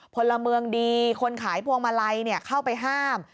พลเมืองดีคนขายพวงมาลัยเข้าไปห้าม